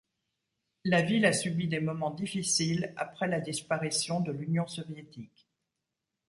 La ville a subi des moments difficiles après la disparition de l'Union soviétique.